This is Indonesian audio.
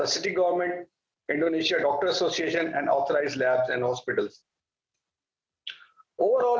asosiasi dokter indonesia dan laboratorium dan hospital yang diperlukan